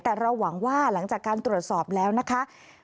แต่เราหวังว่าหลังจากการตรวจสอบแล้วนะคะ